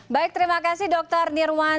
baik terima kasih dokter nirwan